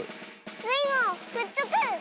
スイもくっつく！